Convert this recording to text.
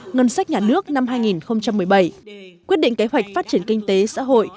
ngân sách nhà nước năm hai nghìn một mươi bảy quyết định kế hoạch phát triển kinh tế xã hội